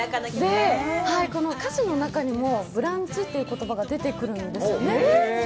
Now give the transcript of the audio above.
この歌詞の中にも「ブランチ」という言葉が出てくるんですよね。